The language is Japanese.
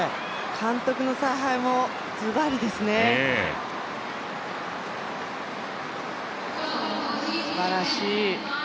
監督の采配もズバリですね、すばらしい。